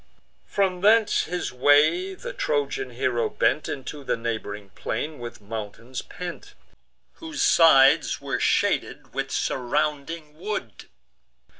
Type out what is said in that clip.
From thence his way the Trojan hero bent Into the neighb'ring plain, with mountains pent, Whose sides were shaded with surrounding wood.